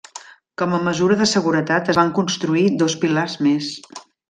Com a mesura de seguretat es van construir dos pilars més.